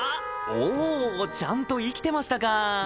おおちゃんと生きてましたか